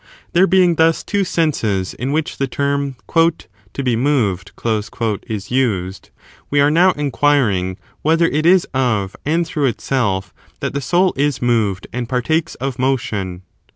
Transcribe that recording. There being thus two senses in which the term "to be Is the cour moved" is used, we are now enquiring whether it is of moved and through itself that the soul is moved and partakes me of motion.